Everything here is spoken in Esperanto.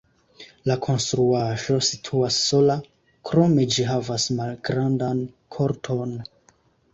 La konstruaĵo situas sola, krome ĝi havas malgrandan korton.